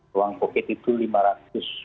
ruang covid itu lima ratus dua puluh empat